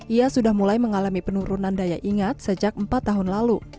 ia sudah mulai mengalami penurunan daya ingat sejak empat tahun lalu